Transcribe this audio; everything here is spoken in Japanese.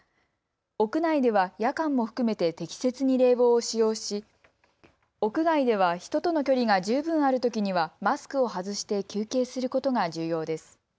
屋内では夜間も含めて適切に冷房を使用し、屋外では人との距離が十分あるときにはマスクを外して休憩することが重要です。